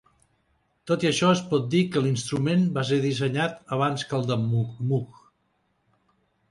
Tot i això, es pot dir que l'instrument va ser dissenyat abans que el de Moog.